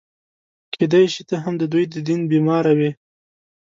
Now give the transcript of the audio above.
کېدای شي ته هم د دوی د دیدن بیماره وې.